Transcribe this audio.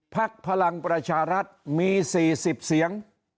พลังประชารัฐมี๔๐เสียง